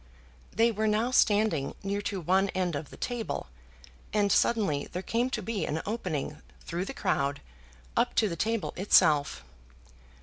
They were now standing near to one end of the table, and suddenly there came to be an opening through the crowd up to the table itself.